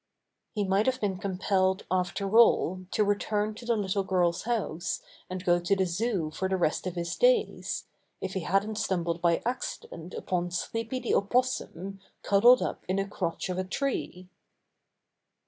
He might have been compelled, after all, to return to the little girl's house and go to the Zoo for the rest of his days, if he hadn't stumbled by accident upon Sleepy the Opos sum cuddled up in a crotch of a tree.